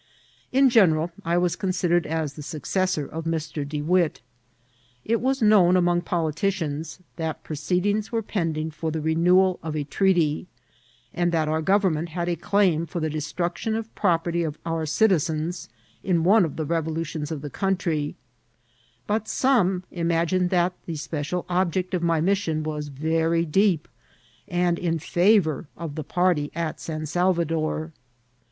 In general I was ccmsidered as the suecesBor of Mr. De Witt. It was known among poli ticians that proceedings were pending for the renewal of a treaty, and that our government had a claim for the destruction of property of our citizeps in one of the revolutions of the country; but some imagined that the special object of my mission was very deep, and in fa vour of the party at San Salvador.